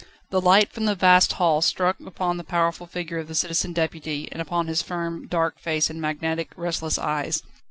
The light from the vast hall struck full upon the powerful figure of the Citizen Deputy and upon his firm, dark face and magnetic, restless eyes.